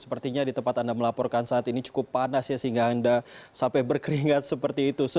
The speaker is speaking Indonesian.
sepertinya di tempat anda melaporkan saat ini cukup panas ya sehingga anda sampai berkeringat seperti itu